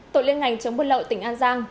tội liên ngành chống buôn lậu tỉnh an giang